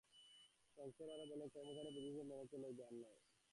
শঙ্কর আরও বলেন, কর্মকাণ্ডের বিধিনিষেধ মেনে চলাই জ্ঞান নয়।